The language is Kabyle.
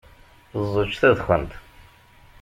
Ẓečč tadxent!